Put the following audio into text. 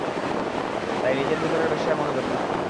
তাই নিজের ভিতরের বেশ্যায় মনোযগ দাও।